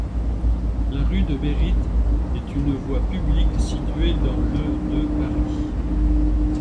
La rue de Bérite est une voie publique située dans le de Paris.